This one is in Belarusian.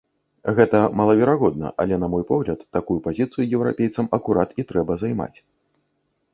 Гэта малаверагодна, але, на мой погляд, такую пазіцыю еўрапейцам акурат і трэба займаць.